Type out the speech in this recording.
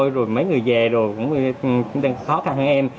rồi mấy người về rồi cũng đang khó khăn hơn em